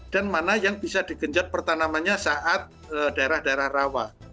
dan mana yang bisa di genjat pertanamannya saat daerah daerah rawa